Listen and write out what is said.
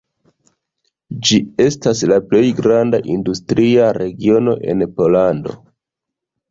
Ĝi estas la plej granda industria regiono en Pollando.